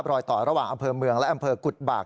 รอยต่อระหว่างอำเภอเมืองและอำเภอกุฎบาก